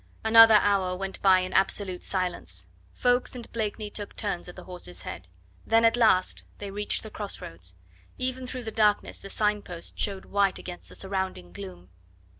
Another hour went by in absolute silence. Ffoulkes and Blakeney took turns at the horse's head. Then at last they reached the cross roads; even through the darkness the sign post showed white against the surrounding gloom.